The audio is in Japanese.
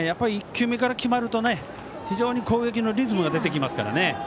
１球目から決まると非常に攻撃のリズムが出てきます。